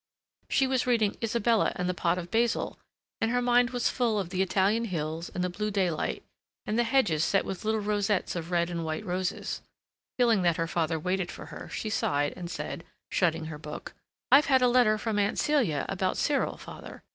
She was reading "Isabella and the Pot of Basil," and her mind was full of the Italian hills and the blue daylight, and the hedges set with little rosettes of red and white roses. Feeling that her father waited for her, she sighed and said, shutting her book: "I've had a letter from Aunt Celia about Cyril, father....